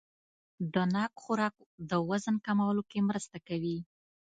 د ناک خوراک د وزن کمولو کې مرسته کوي.